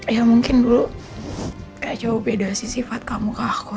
ya mungkin dulu kayak jauh beda sih sifat kamu ke aku